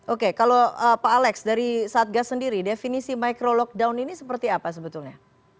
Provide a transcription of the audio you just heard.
oke kalau pak alex dari satgas sendiri definisi micro lockdown ini seperti apa sebetulnya